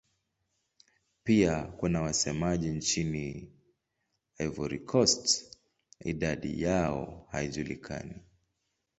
Pia kuna wasemaji nchini Cote d'Ivoire; idadi yao haijulikani.